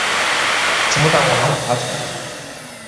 怎麼擋網路爬蟲？